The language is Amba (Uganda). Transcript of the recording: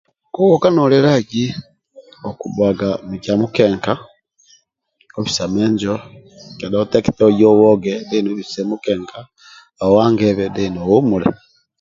Kohoka nolelagi okubhuwaga mikyamukenka okisiya menjo kheda otekete oye ohoge then obhikise mukenka ohangebhe then ohumulemu